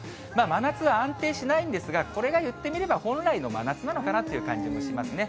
真夏は安定しないんですが、これが言ってみれば本来の真夏なのかなという感じもしますね。